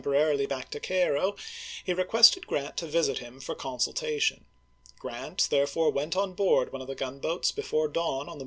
XL porarily back to Caii'o, he requested Grant to visit him for consultation. Grant therefore went on board one of the gunboats before dawn on the Feb..